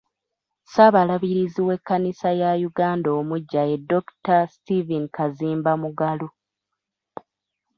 Ssaabalabirizi w’ekkanisa ya Uganda omuggya ye Dr. Stephen Kazimba Mugalu.